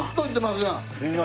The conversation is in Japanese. すいません。